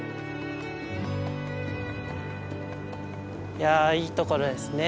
いやいいところですね